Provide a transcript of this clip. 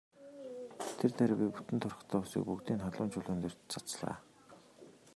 Тэр даруй би бүтэн торхтой усыг бүгдийг нь халуун чулуунууд дээр цацлаа.